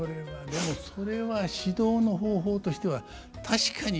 でもそれは指導の方法としては確かに。